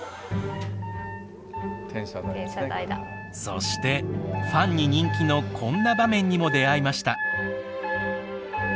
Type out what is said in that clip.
そしてファンに人気のこんな場面にも出会いました。